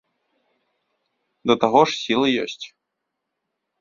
Да таго ж сілы ёсць.